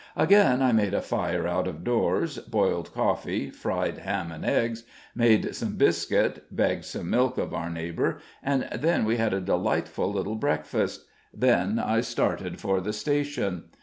Again I made a fire out of doors, boiled coffee, fried ham and eggs, made some biscuit, begged some milk of our neighbor, and then we had a delightful little breakfast. Then I started for the station.